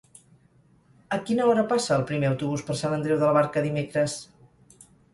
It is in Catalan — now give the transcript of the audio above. A quina hora passa el primer autobús per Sant Andreu de la Barca dimecres?